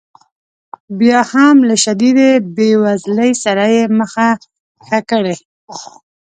بیا هم له شدیدې بې وزلۍ سره یې مخه ښه کړې.